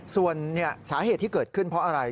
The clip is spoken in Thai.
ส่วนสาเหตุที่เกิดขึ้นเพราะอะไร